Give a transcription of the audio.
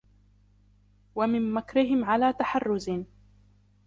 وَمِنْ مَكْرِهِمْ عَلَى تَحَرُّزٍ